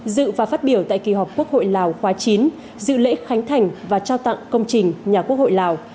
dự và phát biểu tại kỳ họp quốc hội lào khóa chín dự lễ khánh thành và trao tặng công trình nhà quốc hội lào